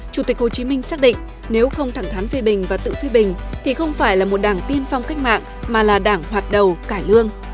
chủ tịch hồ chí minh xác định nếu không thẳng thắn phê bình và tự phê bình thì không phải là một đảng tiên phong cách mạng mà là đảng hoạt đầu cải lương